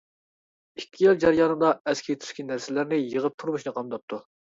ئىككى يىل جەريانىدا ئەسكى-تۈسكى نەرسىلەرنى يىغىپ تۇرمۇشىنى قامداپتۇ.